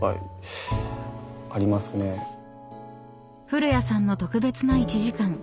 ［古屋さんの特別な１時間］